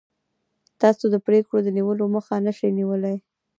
تاسو د پرېکړو د نیولو مخه نشئ نیولی.